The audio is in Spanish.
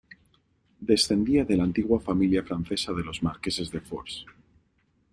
Descendía de la antigua familia francesa de los marqueses de Fors.